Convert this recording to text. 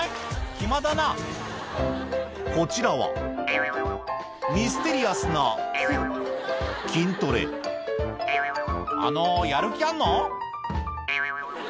暇だなこちらはミステリアスな筋トレあのやる気あんの？